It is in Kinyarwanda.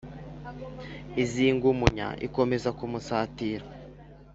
izinga umunya ikomeza kumusatira